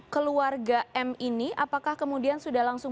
keluarga m ini apakah kemudian sudah langsung